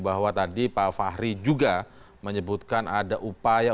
bahwa tadi pak fahri juga menyebutkan ada upaya